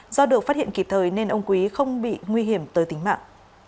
do được phát hiện kịp thời nên ông quý không bị nguy hiểm tới tính mạng